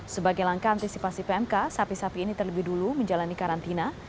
sebagai langkah antisipasi pmk sapi sapi ini terlebih dulu menjalani karantina